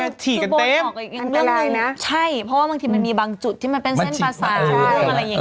คือบทหกเรื่องอะไรนะใช่เพราะว่าบางทีมันมีบางจุดที่มันเป็นเส้นภาษา